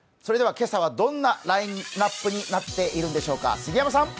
今朝はどんなラインナップになっているんでしょうか。